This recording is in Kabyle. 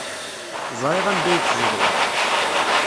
Ẓriɣ anda ay tzedɣeḍ.